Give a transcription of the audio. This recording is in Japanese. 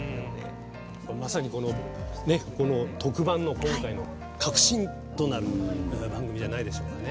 まさに、特番の今回の核心となる番組じゃないですかね。